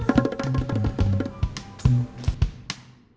jadi dia yang diserang